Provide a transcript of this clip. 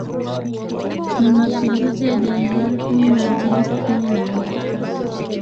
Ni mapinduzi ya Januari kumi na mbili sitini na nne